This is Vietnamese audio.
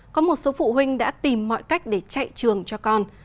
có một số phụ huynh đã tìm mọi cách để chạy trường cho con